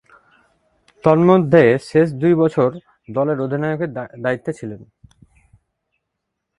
তন্মধ্যে, শেষ দুই বছর দলের অধিনায়কের দায়িত্বে ছিলেন।